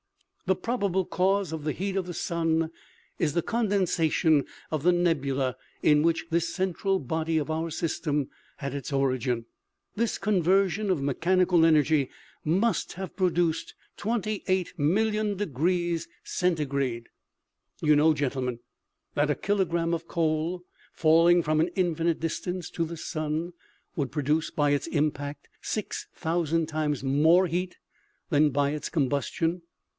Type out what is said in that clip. " The probable cause of the heat of the sun is the con densation of the nebula in which this central body of our system had its origin. This conversion of mechanical energy must have produced 28,000,000 degrees centigrade. jo8 OMEGA. You know gentlemen, that a kilogram of coal, falling from an infinite distance to the sun, would produce, by its impact, six thousand times more heat than by its combus tion.